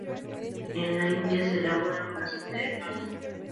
En la India se elabora con aceite de palma.